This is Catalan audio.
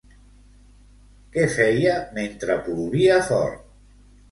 Què feia mentre plovia fort?